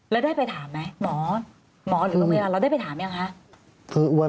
แล้วได้ไปถามไหมหมอหรือคุณมีรันเราได้ไปถามยังคะ